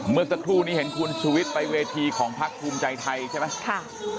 เมื่อสักครู่นี้เห็นคุณชุวิตไปเวทีของพักภูมิใจไทยใช่ไหม